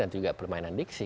dan juga permainan diksi